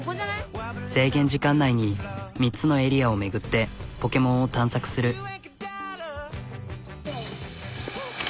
制限時間内に３つのエリアを巡ってポケモンを探索する。